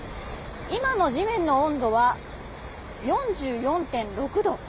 今の地面の温度は４４．６度。